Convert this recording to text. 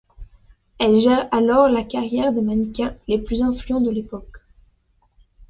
Elle gère alors la carrière des mannequins les plus influents de l'époque.